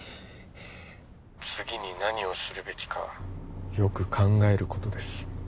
☎次に何をするべきかよく考えることです